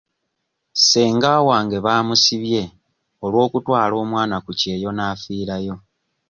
Ssenga wange baamusibye olw'okutwala omwana ku kyeyo n'afiirayo.